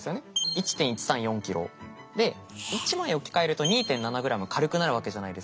１．１３４ｋｇ。で１枚置き換えると２．７ｇ軽くなるわけじゃないですか。